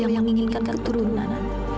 yang inginkan keturunan